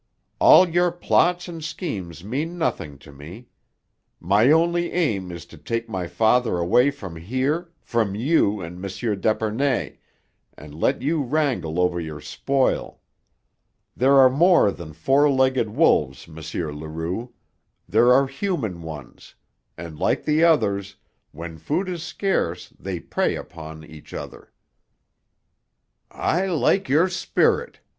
"All your plots and schemes mean nothing to me. My only aim is to take my father away from here, from you and M. d'Epernay, and let you wrangle over your spoil. There are more than four legged wolves, M. Leroux; there are human ones, and, like the others, when food is scarce they prey upon each other." "I like your spirit!"